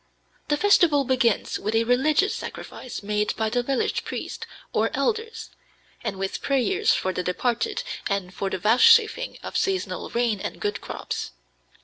The festival begins with a religious sacrifice made by the village priest or elders, and with prayers for the departed and for the vouchsafing of seasonable rain and good crops.